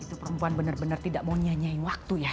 itu perempuan bener bener tidak mau nyanyi waktu ya